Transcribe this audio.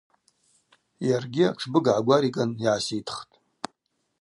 Йаргьи атшбыг гӏагвариган йгӏаситхтӏ.